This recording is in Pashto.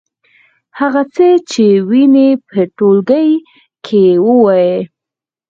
هغه څه چې وینئ په ټولګي کې ووایئ.